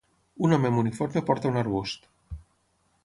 Un home amb uniforme porta un arbust.